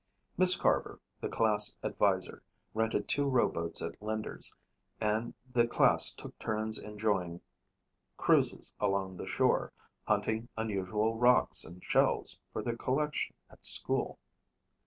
Miss Carver, the class advisor, rented two rowboats at Linder's, and the class took turns enjoying cruises along the shore, hunting unusual rocks and shells for their collection at school.